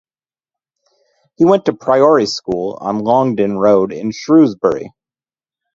He went to the Priory School on Longden Road in Shrewsbury.